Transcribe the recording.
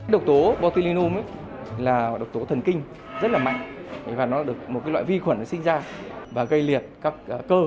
độc tố botunum là độc tố thần kinh rất là mạnh và nó được một loại vi khuẩn nó sinh ra và gây liệt các cơ